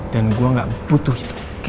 dan gue gak butuh itu oke